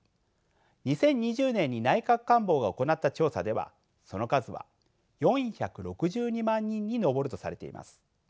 ２０２０年に内閣官房が行った調査ではその数は４６２万人に上るとされています。